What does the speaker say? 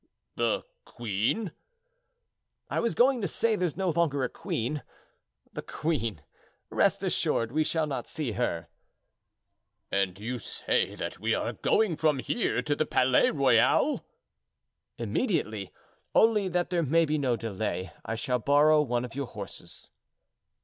"The queen!" "I was going to say, there's no longer a queen. The queen! Rest assured, we shall not see her." "And you say that we are going from here to the Palais Royal?" "Immediately. Only, that there may be no delay, I shall borrow one of your horses."